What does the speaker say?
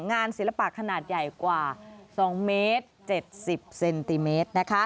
ศิลปะขนาดใหญ่กว่า๒เมตร๗๐เซนติเมตร